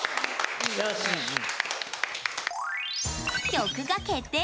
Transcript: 曲が決定。